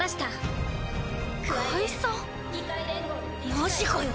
マジかよ。